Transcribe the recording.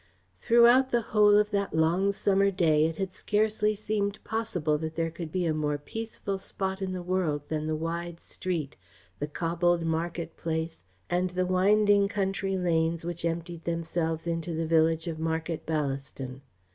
Throughout the whole of that long summer day it had scarcely seemed possible that there could be a more peaceful spot in the world than the wide street, the cobbled market place, and the winding country lanes which emptied themselves into the village of Market Ballaston.